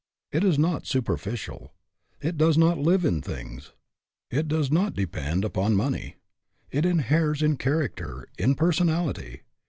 It is not superficial. It does not live in things. It does not depend upon money. It inheres in character, in personality.